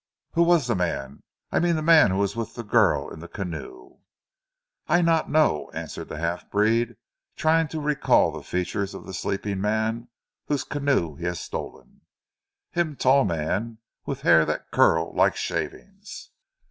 "Who was the man I mean the man who was with the girl in the canoe?" "I not know," answered the half breed, trying to recall the features of the sleeping man whose canoe he had stolen. "Heem tall man, with hair that curl like shavings."